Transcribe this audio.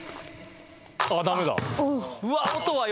ああダメだ。